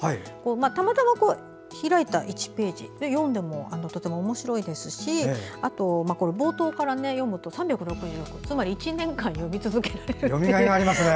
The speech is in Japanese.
たまたま開いた１ページで読んでもとても、おもしろいですしあとは冒頭から読むと３６５ということでつまり１年間読み続けられるという。